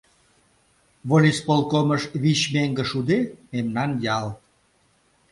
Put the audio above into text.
Волисполкомыш вич меҥге шуде — мемнан ял.